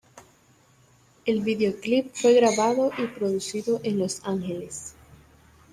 El videoclip fue grabado y producido en Los Ángeles.